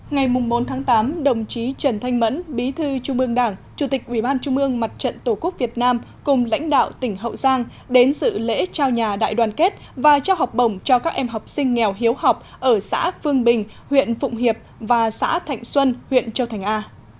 ngày bốn tháng tám đồng chí trần thanh mẫn bí thư trung ương đảng chủ tịch ủy ban trung ương mặt trận tổ quốc việt nam cùng lãnh đạo tỉnh hậu giang đến sự lễ trao nhà đại đoàn kết và trao học bổng cho các em học sinh nghèo hiếu học ở xã phương bình huyện phụng hiệp và xã thạnh xuân huyện châu thành a